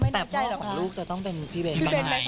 แต่พ่อของลูกจะต้องเป็นพี่เบนไหม